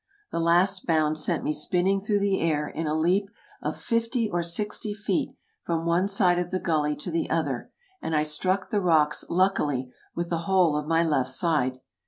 The last bound sent me spinning through the air, in a leap of fifty or sixty feet, from one side of the gully to the other, and I struck the rocks, luckily, with the whole of my left side.